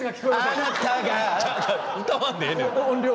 「あなたが」歌わんでええねん。